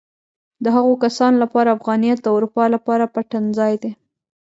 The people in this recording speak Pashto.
د هغو کسانو لپاره افغانیت د اروپا لپاره پټنځای دی.